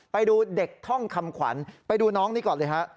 ไปดูเด็กท่องคำขวัญไปดูน้องนี้ก่อนเลยฮะ